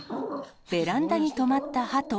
ベランダにとまったハト。